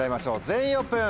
全員オープン！